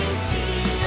gak usah nanya